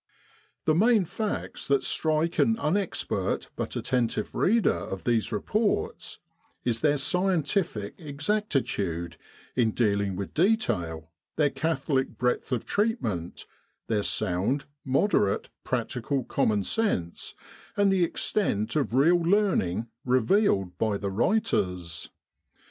The main facts that strike an unexpert but attentive reader of these reports is their scientific exactitude in dealing with detail, their catholic breadth of treatment, their sound, moderate, practical common sense, and the extent of real learning revealed by the writers.